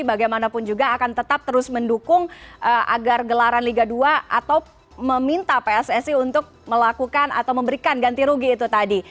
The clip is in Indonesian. bagaimanapun juga akan tetap terus mendukung agar gelaran liga dua atau meminta pssi untuk melakukan atau memberikan ganti rugi itu tadi